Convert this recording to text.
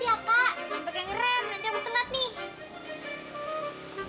gampang yang rem nanti aku tenat nih